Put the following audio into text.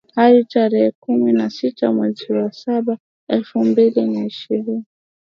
hadi tarehe kumi na sita mwezi wa saba elfu mbili na ishirini